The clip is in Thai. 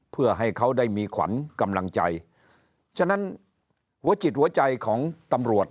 เพื่อให้เขาได้มีขวัญกำลังใจฉะนั้นหัวจิตหัวใจของตำรวจ